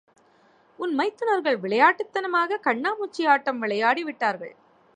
உன் மைத்துனர்கள் விளையாட்டுத்தனமாகத் கண்ணாமூச்சி ஆட்டம் விளையாடி விட்டார்கள்.